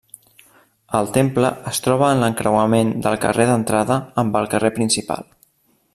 El temple es troba en l'encreuament del carrer d'entrada amb el carrer principal.